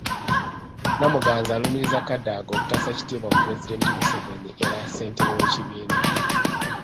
Namuganza alumiriza Kadaga obutassa kitiibwa mu Pulezidenti Museveni era ssentebbe w’ekibiina.